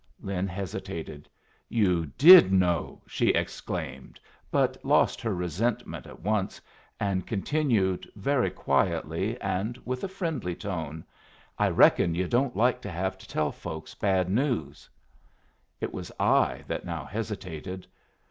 Lin hesitated. "You did know!" she exclaimed, but lost her resentment at once, and continued, very quietly and with a friendly tone, "I reckon you don't like to have to tell folks bad news." It was I that now hesitated.